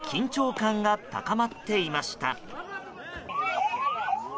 緊張感が高まっていました。